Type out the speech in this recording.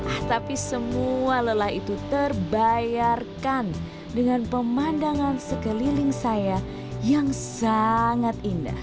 ah tapi semua lelah itu terbayarkan dengan pemandangan sekeliling saya yang sangat indah